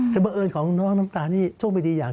แต่เมื่อเอิญของน้องน้องน้ำตานี่โชคไม่ดีอย่าง